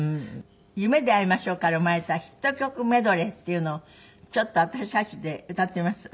『夢であいましょう』から生まれたヒット曲メドレーっていうのをちょっと私たちで歌ってみます？